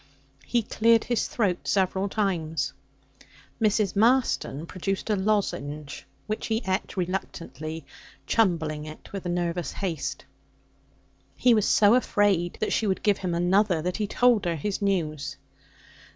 He cleared his throat several times. Mrs. Marston produced a lozenge, which he ate reluctantly, chumbling it with nervous haste. He was so afraid that she would give him another that he told her his news.